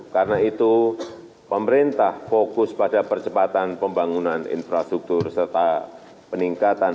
karena itu pemerintah fokus pada percepatan pembangunan infrastruktur serta peningkatan